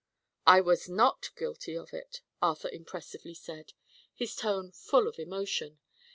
"I was not guilty of it," Arthur impressively said, his tone full of emotion.